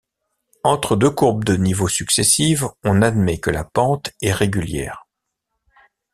Entre deux courbes de niveau successives, on admet que la pente est régulière.